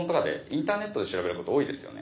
インターネットで調べること多いですよね。